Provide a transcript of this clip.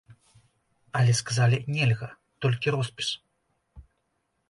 Але сказалі, нельга, толькі роспіс.